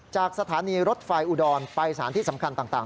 จากสถานีรถไฟอุดรไปสถานที่สำคัญต่าง